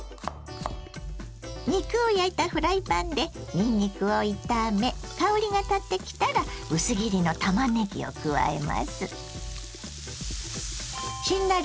肉を焼いたフライパンでにんにくを炒め香りがたってきたら薄切りのたまねぎを加えます。